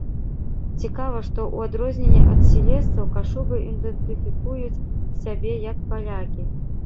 Цікава, што ў адрозненні ад сілезцаў, кашубы ідэнтыфікуюць сябе як палякі.